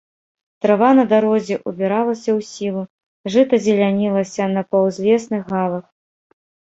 Трава на дарозе ўбіралася ў сілу, жыта зелянілася на паўзлесных галах.